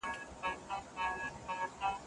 زه هره ورځ کالي پرېولم؟!